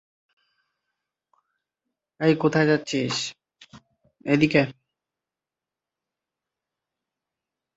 ছাত্রদের জন্য বিশুদ্ধ পানির ব্যবস্থা ও রয়েছে এখানে।